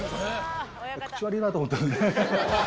口悪いなと思ったですね。